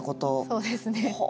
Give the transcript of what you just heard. そうですね。